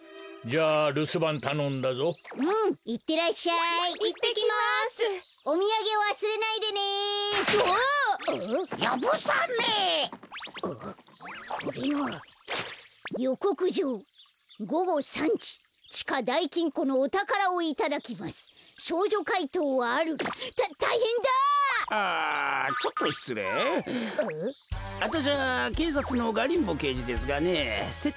あたしゃけいさつのガリンボけいじですがねせっ